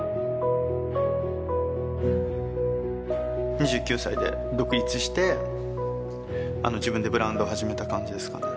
２９歳で独立して自分でブランドを始めた感じですかね